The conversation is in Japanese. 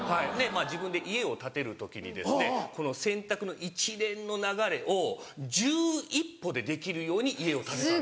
自分で家を建てる時にこの洗濯の一連の流れを１１歩でできるように家を建てたんです。